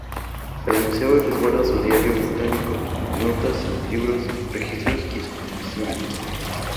El museo hoy resguarda su diario botánico, notas, libros, registros y especímenes.